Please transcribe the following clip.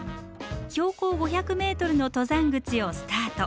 標高５００ｍの登山口をスタート。